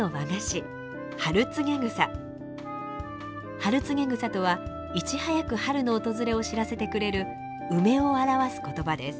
「春告草」とはいち早く春の訪れを知らせてくれる梅を表す言葉です。